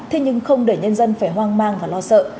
thế nhưng không để nhân dân phải hoang mang và lo sợ